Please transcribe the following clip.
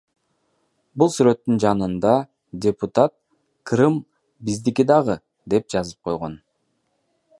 Бул сүрөттүн жанында депутат Крым — биздики дагы деп жазып койгон.